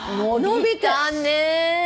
伸びたね。